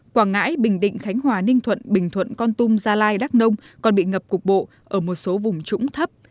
quảng ngãi bình định khánh hòa ninh thuận bình thuận con tum gia lai đắk nông còn bị ngập cục bộ ở một số vùng trũng thấp